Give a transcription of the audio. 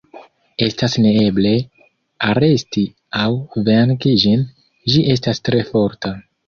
Estas neeble aresti aŭ venki ĝin, ĝi estas tre forta.